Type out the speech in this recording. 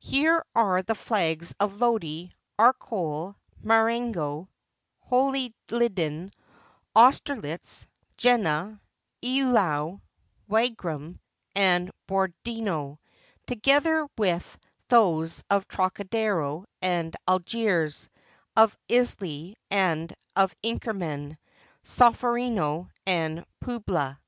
Here are the flags of Lodi, Arcole, Marengo, Hohenlinden, Aus terlitz, Jena, Eylau, Wagram, and Borodino, together with those of Trocadero and of Algiers, of Isly, and of Inkerman, Solferino, and Puebla.